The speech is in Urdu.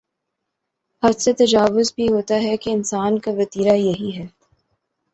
حد سے تجاوز بھی ہوتا ہے کہ انسان کا وتیرہ یہی ہے۔